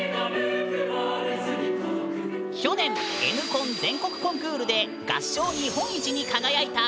去年「Ｎコン」全国コンクールで合唱日本一に輝いた府中四中！